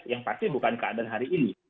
yang pasti bukan kader hari ini